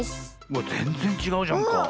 わっぜんぜんちがうじゃんか。